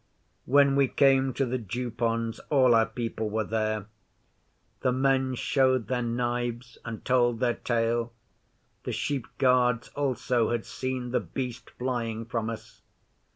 'When we came to the Dew ponds all our people were there. The men showed their knives and told their tale. The sheep guards also had seen The Beast flying from us.